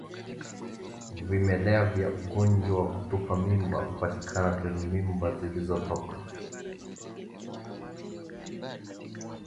Vimelea vya ugonjwa wa kutupa mimba hupatikana kwenye mimba zilizotoka